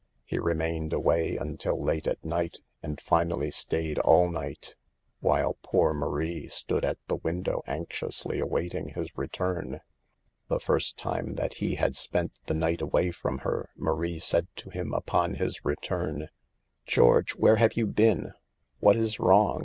He remained away until late at night, and finally stayed all night, while poor Marie stood at the window, anxiously awaiting his return. The first time that he had spent the night away from her, Marie said to him upon his return: " George, where have you been ? What is wrong?